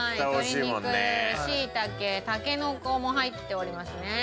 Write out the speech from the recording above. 鶏肉シイタケタケノコも入っておりますね。